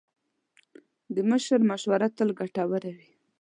د مشر مشوره تل ګټوره وي.